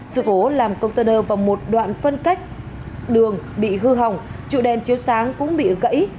sự cố làm container và một đoạn phân cách đường bị hư hỏng trụ đèn chiếu sáng cũng bị gãy